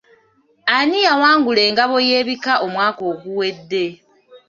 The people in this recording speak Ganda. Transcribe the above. Ani yawangula engabo y’ebika omwaka oguwedde?